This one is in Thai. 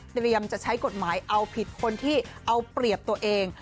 จะใช้กฎหมายเอาผิดคนที่เอาเปรียบตัวเอง